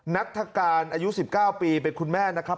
นัฐกาลอายุ๑๙ปีเป็นคุณแม่นะครับ